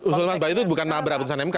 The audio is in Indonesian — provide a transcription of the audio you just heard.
ustaz mas bayu itu bukan nabrak putusan mk ya